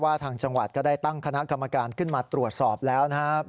ทางจังหวัดก็ได้ตั้งคณะกรรมการขึ้นมาตรวจสอบแล้วนะครับ